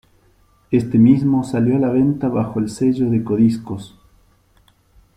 Este mismo salió a la venta bajo el sello de Codiscos.